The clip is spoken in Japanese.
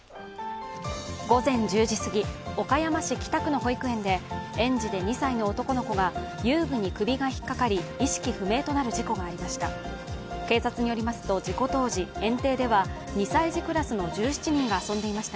午前１０時すぎ岡山市北区の保育園で園児で２歳の男の子が遊具に首が引っ掛かり、意識不明となる事故がありました。